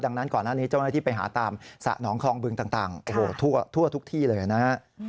ดังนั้นก่อนหน้านี้เจ้าหน้าที่ไปหาตามสระหนองคลองบึงต่างโอ้โหทั่วทุกที่เลยนะฮะ